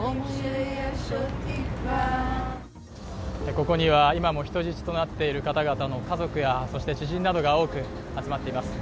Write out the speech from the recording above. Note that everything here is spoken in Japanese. ここには今も人質となっている方々の家族や知人などが多く集まっています。